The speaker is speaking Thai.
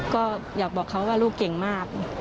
ก็อยากบอกเขาว่าลูกเก่งมาก